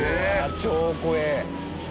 超怖え！